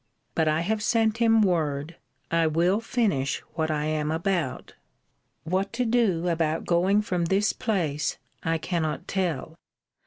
But I have sent him word, I will finish what I am about. What to do about going from this place, I cannot tell.